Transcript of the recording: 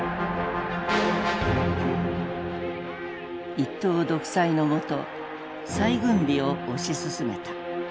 一党独裁のもと再軍備を推し進めた。